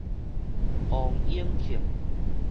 王永慶